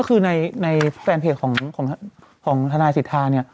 ก็คือในแฟนเพจของทนายสิทธาเนี่ย